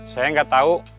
saya gak tau